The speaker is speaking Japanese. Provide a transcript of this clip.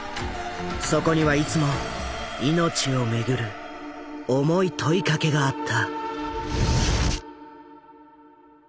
そこにはいつも命をめぐる重い問いかけがあった。